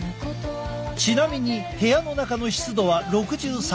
ちなみに部屋の中の湿度は６３％。